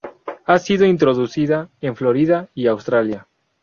Ha sido introducida en Florida y Australia.